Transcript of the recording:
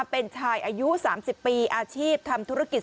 เป็นชายอายุ๓๐ปีอาชีพทำธุรกิจ